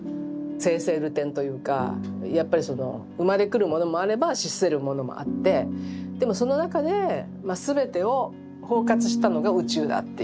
生々流転というかやっぱりその生まれ来るものもあれば死するものもあってでもその中で全てを包括したのが宇宙だっていうような。